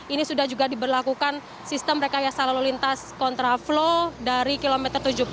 ini sudah juga diberlakukan sistem rekayasa lalu lintas kontraflow dari kilometer tujuh puluh